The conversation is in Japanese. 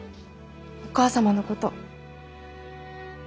お母様のこと。